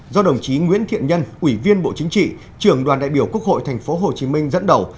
do đồng chí nguyễn thiện nhân ủy viên bộ chính trị trưởng đoàn đại biểu quốc hội tp hcm dẫn đầu